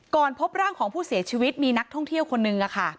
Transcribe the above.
พบร่างของผู้เสียชีวิตมีนักท่องเที่ยวคนนึง